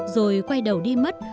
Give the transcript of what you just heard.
rồi quay đầu đi mất